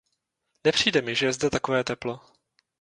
Nepřijde mi, že je zde takové teplo.